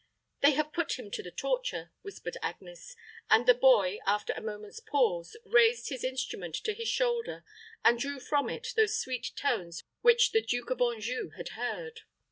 "They have put him to the torture," whispered Agnes; and the boy, after a moment's pause, raised his instrument to his shoulder and drew from it those sweet tones which the Duke of Anjou had heard.